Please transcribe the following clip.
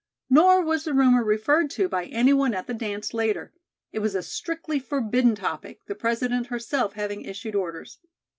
Nor was the rumor referred to by anyone at the dance later. It was a strictly forbidden topic, the President herself having issued orders.